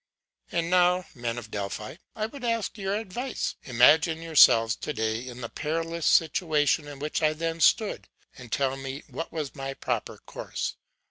'And now, men of Delphi, I would ask your advice. Imagine yourselves to day in the perilous situation in which I then stood; and tell me what was my proper course.